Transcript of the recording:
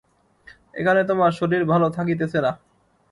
এখানে তোমার শরীর ভালো থাকিতেছে না।